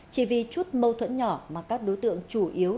chỉ vì chút mâu thuẫn nhỏ mà các đối tượng chủ yếu